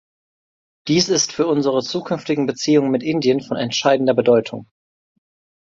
Dies ist für unsere zukünftigen Beziehungen mit Indien von entscheidender Bedeutung.